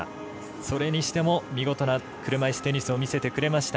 それにしても、見事な車いすテニスを見せてくれました。